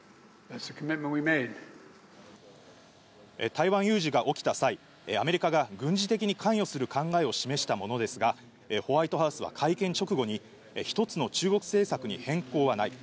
台湾有事が起きた際、アメリカが軍事的に関与する考えを示したものですが、ホワイトハウスは会見直後に、一つの中国政策に変更はない。